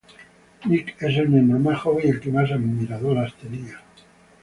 Nick es el miembro más joven y el que más admiradoras tenía.